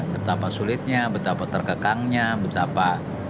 betapa sulitnya betapa terkekangnya betapa